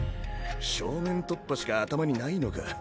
正面突破しか頭にないのか。